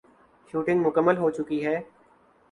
shooting مکمل ہوچکی ہے